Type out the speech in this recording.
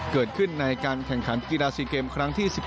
เกิดขึ้นในการแข่งขันกีฬา๔เกมครั้งที่๑๑